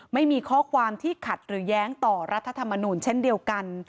ไม่มีข้อความที่ขัดหรือแย้งต่อรัฐธรรมนูลเช่นเดียวกัน